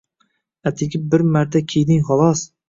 Atiga bir marta kiyding xolos